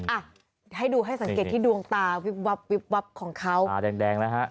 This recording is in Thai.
อ่ะให้ดูให้สังเกตที่ดวงตาวิบวับวิบวับของเขาตาแดงนะฮะ